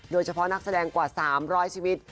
โดยเฉพาะนักแสดงกว่า๓๐๐ชีวิต